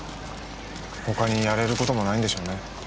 他にやれる事もないんでしょうね。